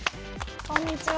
こんにちは！